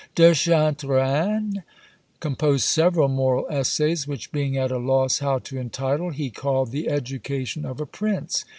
De Chantereine composed several moral essays, which being at a loss how to entitle, he called "The Education of a Prince."